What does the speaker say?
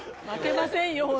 負けませんよ！